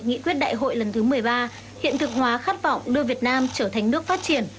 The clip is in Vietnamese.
nghị quyết đại hội lần thứ một mươi ba hiện thực hóa khát vọng đưa việt nam trở thành nước phát triển